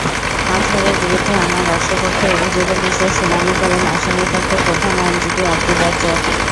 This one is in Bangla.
আজহারের বিরুদ্ধে আনা রাষ্ট্রপক্ষের অভিযোগের বিষয়ে শুনানি করেন আসামিপক্ষের প্রধান আইনজীবী আবদুর রাজ্জাক।